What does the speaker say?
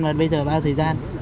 và bây giờ là bao thời gian